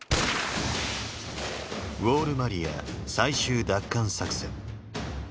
ウォール・マリア最終奪還作戦。